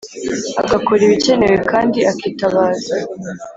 agakora ibikenewe kandi akitabaza